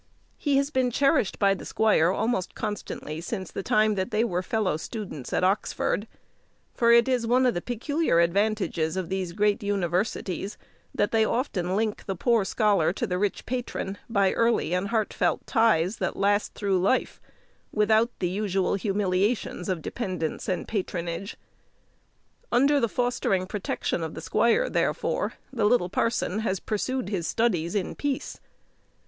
He has been cherished by the squire almost constantly since the time that they were fellow students at Oxford; for it is one of the peculiar advantages of these great universities that they often link the poor scholar to the rich patron, by early and heartfelt ties, that last through life, without the usual humiliations of dependence and patronage. Under the fostering protection of the squire, therefore, the little parson has pursued his studies in peace.